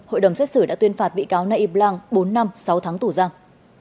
hội đồng xét xử đã tuyên phạt bị cáo naip lang bốn năm sáu tháng tù giang